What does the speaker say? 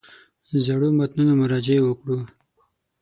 زړو متنونو مراجعې وکړو.